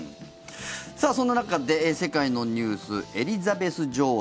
さあ、そんな中で世界のニュースエリザベス女王